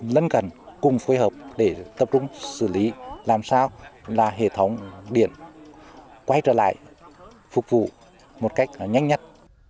lân cần cùng phối hợp để tập trung xử lý làm sao là hệ thống điện quay trở lại phục vụ một cách nhanh nhất